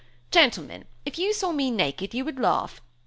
gentlemen, if you saw me naked, you would laugh!